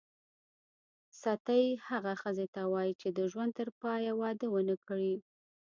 ستۍ هغه ښځي ته وايي چي د ژوند ترپایه واده ونه کي.